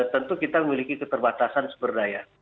tentu kita memiliki keterbatasan seberdaya